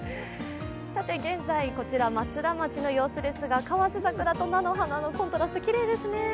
現在こちら松田町の様子ですが河津桜と菜の花のコントラスト、きれいですね。